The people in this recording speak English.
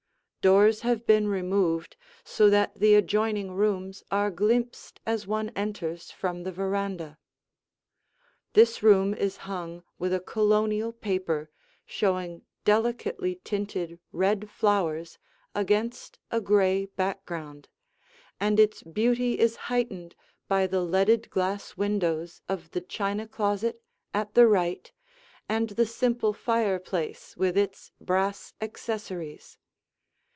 Doors have been removed so that the adjoining rooms are glimpsed as one enters from the veranda. This room is hung with a Colonial paper showing delicately tinted red flowers against a gray background, and its beauty is heightened by the leaded glass windows of the china closet at the right and the simple fireplace with its brass accessories.